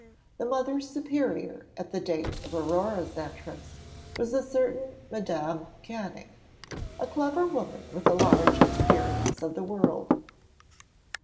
The Mother Superior at the date of Aurore's entrance was a certain Madame Canning, a clever woman with a large experience of the world.